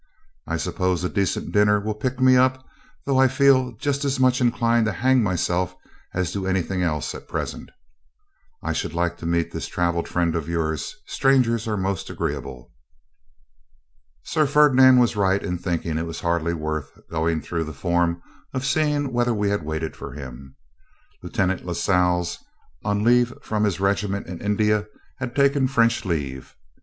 'I suppose a decent dinner will pick me up, though I feel just as much inclined to hang myself as do anything else at present. I should like to meet this travelled friend of yours; strangers are most agreeable.' Sir Ferdinand was right in thinking it was hardly worth while going through the form of seeing whether we had waited for him. Lieutenant Lascelles, on leave from his regiment in India, had taken French leave.